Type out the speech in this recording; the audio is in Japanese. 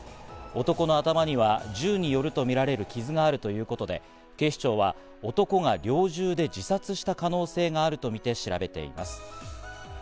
男の頭には銃によるとみられる傷があるということで、警視庁は男が猟銃で自殺した可能性があるとみて調べています。